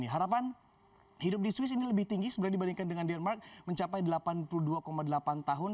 harapan hidup di swiss ini lebih tinggi sebenarnya dibandingkan dengan denmark mencapai delapan puluh dua delapan tahun